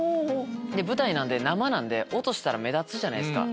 舞台なんで生なんで落としたら目立つじゃないですか。